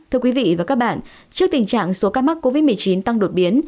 thưa quý vị và các bạn trước tình trạng số ca mắc covid một mươi chín tăng đột biến